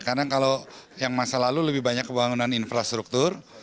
karena kalau yang masa lalu lebih banyak pembangunan infrastruktur